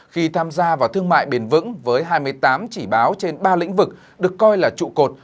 khi tham gia vào thương mại bền vững với hai mươi tám chỉ báo trên ba lĩnh vực được coi là trụ cột